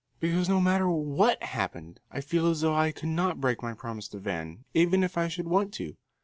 Because no matter what happened I feel as though I could not break my promise to Van, even if I should want to.